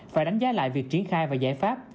phải đánh giá lại việc triển khai và giải pháp